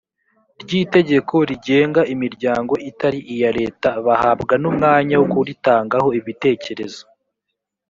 ry itegeko rigenga imiryango itari iya leta bahabwa n umwanya wo kuritangaho ibitekerezo